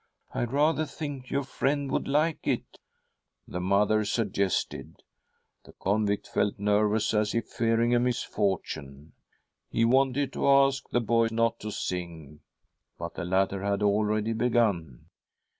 ' I rather think your friend would like it,' the mother suggested. The convict felt nervous, as if fearing a misfortune. He wanted to ask the boy not to sing, but the latter had already begun.